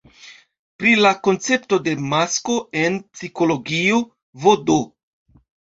Pri la koncepto de "masko" en psikologio vd.